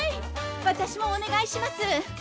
私もお願いします！